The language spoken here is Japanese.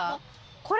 これ。